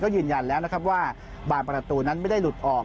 ก็ยืนยันแล้วว่าบานประตูนั้นไม่ได้หลุดออก